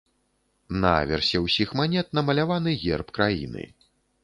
На аверсе ўсіх манет намаляваны герб краіны.